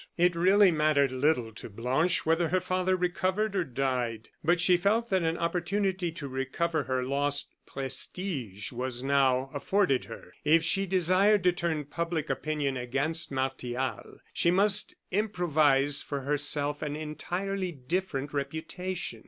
It really mattered little to Blanche whether her father recovered or died, but she felt that an opportunity to recover her lost prestige was now afforded her. If she desired to turn public opinion against Martial, she must improvise for herself an entirely different reputation.